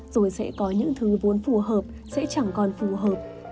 rồi sẽ có những thứ vốn phù hợp sẽ chẳng còn phù hợp